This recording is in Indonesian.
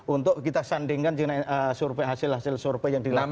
untuk kita sandingkan dengan survei hasil hasil survei yang dilakukan